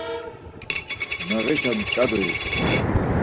Nağişa nç̌arui?